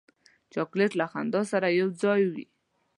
چاکلېټ له خندا سره یو ځای وي.